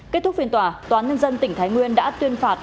kết thúc phiên tòa tntn đã tuyên phạt